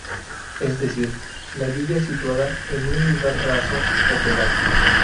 Es decir, la villa situada en un lugar raso o pelado.